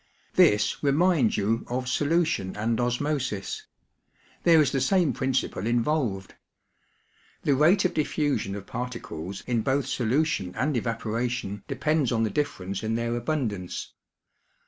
This reminds you of solution and osmosis. There is the same principle involved. The rate of diffusion of particles in both solution and evaporation depends on the difference in their abundance.